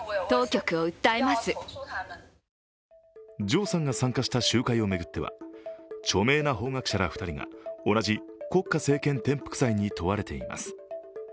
常さんが参加した集会を巡っては著名な法学者ら２人が、同じ国家政権転覆罪に問われています。